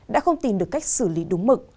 đã không tìm được cách xử lý đúng mực